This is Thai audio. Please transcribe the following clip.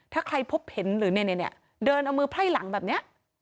ถ้าใครพบเห็นหรือในเนี้ยเนี้ยเดินเอามือไพ่หลังแบบเนี้ย